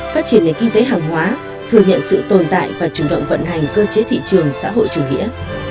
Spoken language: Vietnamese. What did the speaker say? phát triển nền kinh tế hàng hóa thừa nhận sự tồn tại và chủ động vận hành cơ chế thị trường xã hội chủ nghĩa